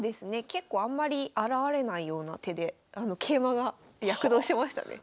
結構あんまり現れないような手で桂馬が躍動しましたね。